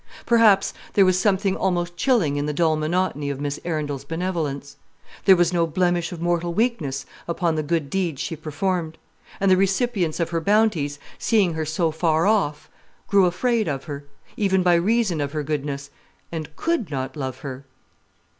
Perhaps there was something almost chilling in the dull monotony of Miss Arundel's benevolence. There was no blemish of mortal weakness upon the good deeds she performed; and the recipients of her bounties, seeing her so far off, grew afraid of her, even by reason of her goodness, and could not love her.